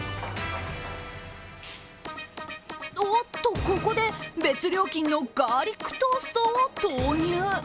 おっと、ここで別料金のガーリックトーストを投入。